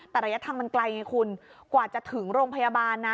แต่ระยะทางมันไกลไงคุณกว่าจะถึงโรงพยาบาลนะ